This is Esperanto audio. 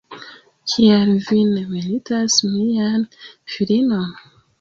Kial vi ne meritas mian filinon?